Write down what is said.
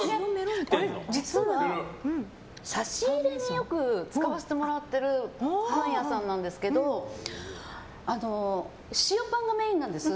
実は、差し入れによく使わせてもらってるパン屋さんなんですけど塩パンがメインなんです。